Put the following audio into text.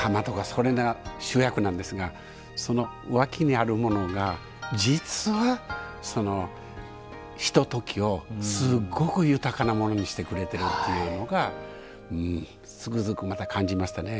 それが主役なんですがその脇にあるものが実はひとときをすごく豊かなものにしてくれてるっていうのがつくづくまた感じましたね。